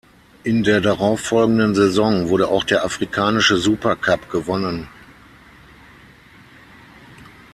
In der darauf folgenden Saison wurde auch der afrikanische Super Cup gewonnen.